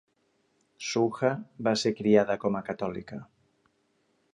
Suha va ser criada com a catòlica.